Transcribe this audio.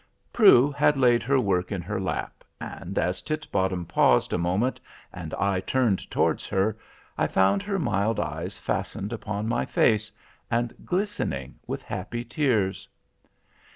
Prue had laid her work in her lap, and as Titbottom paused a moment, and I turned towards her, I found her mild eyes fastened upon my face, and glistening with happy tears.